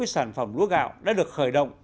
sản phẩm lúa gạo đã được khởi động